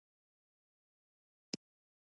زما مخې ته دې ودرېږي.